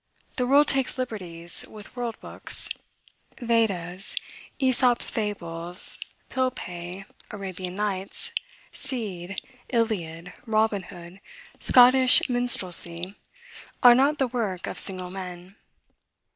The world takes liberties with world books. Vedas, Aesop's Fables, Pilpay, Arabian Nights, Cid, Iliad, Robin Hood, Scottish Minstrelsy, are not the work of single men.